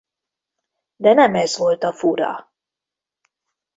De nem ez volt a fura.